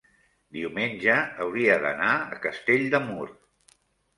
diumenge hauria d'anar a Castell de Mur.